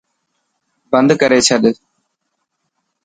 بند ڪري ڇڏ.